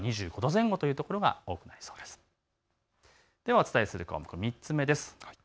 お伝えする項目、３つ目です。